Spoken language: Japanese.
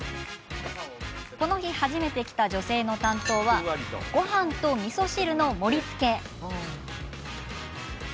この日、初めて来た女性の担当はごはんとみそ汁の盛りつけ。